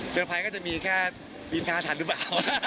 เจอภัยก็จะมีแค่ปีซ่าทันหรือเปล่า